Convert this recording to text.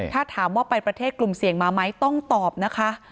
ถ้าถามว่าไปประเทศกลุ่มเสี่ยงมาไหมต้องตอบนะคะ